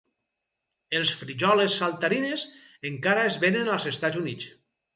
Els "Frijoles saltarines" encara es venen als Estats Units.